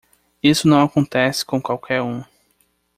Isso não acontece com qualquer um!